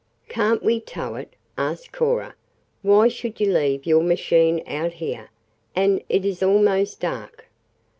"Can't we tow it?" asked Cora. "Why should you leave your machine out here? And it is almost dark!"